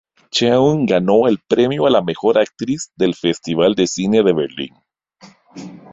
Cheung Ganó el premio a la mejor actriz del Festival de cine de Berlín.